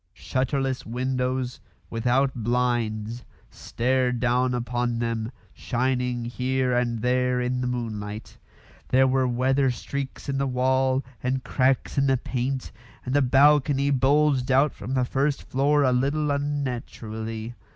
Shutterless windows, without blinds, stared down upon them, shining here and there in the moonlight. There were weather streaks in the wall and cracks in the paint, and the balcony bulged out from the first floor a little unnaturally.